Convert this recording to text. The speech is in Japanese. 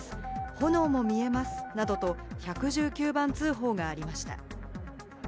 炎も見えますなどと、１１９番通報がありました。